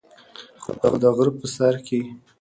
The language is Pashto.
خو د غرۀ پۀ سر کښې